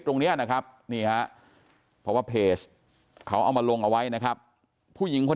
ตรงนี้นะครับนี่ฮะเพราะว่าเพจเขาเอามาลงเอาไว้นะครับผู้หญิงคน